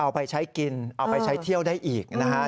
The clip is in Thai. ไปใช้กินเอาไปใช้เที่ยวได้อีกนะฮะ